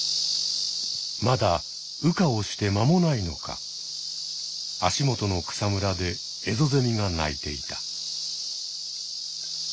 まだ羽化をして間もないのか足元の草むらでエゾゼミが鳴いていた。